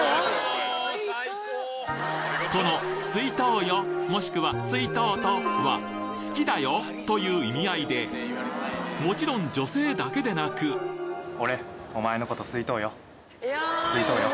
この「好いとうよ」もしくは「好いとうと」は「好きだよ」という意味合いでもちろん女性だけでなく俺お前のこと。